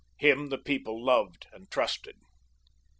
Him the people loved and trusted.